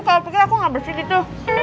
kalo pikir aku gak bersih gitu